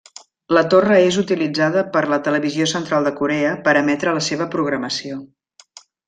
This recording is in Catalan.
La torre és utilitzada per la Televisió Central de Corea per emetre la seva programació.